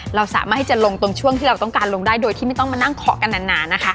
เราสามารถที่จะลงตรงช่วงที่เราต้องการลงได้โดยที่ไม่ต้องมานั่งเคาะกันนานนะคะ